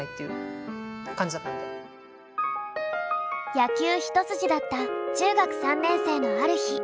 野球一筋だった中学３年生のある日。